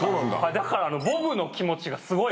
だから。